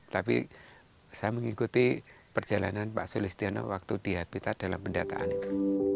tapi saya mengikuti perjalanan pak sulistiono waktu di habitat dalam pendataan itu